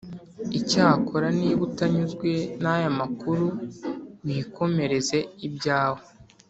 Icyakora niba utanyuzwe nayamakuru wikomereze ibyawe